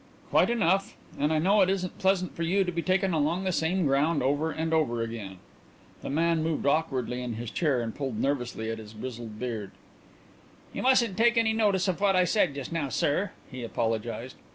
"Quite enough. And I know it isn't pleasant for you to be taken along the same ground over and over again." The man moved awkwardly in his chair and pulled nervously at his grizzled beard. "You mustn't take any notice of what I said just now, sir," he apologized.